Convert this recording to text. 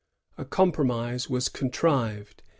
A compromise was contrived.